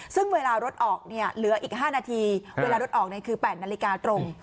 ซึ่งเวลารถออกเนี่ยเหลืออีก๕นาทีเวลารถออกคือ๘นาฬิกาตรง